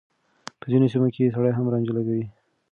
په ځينو سيمو کې سړي هم رانجه لګوي.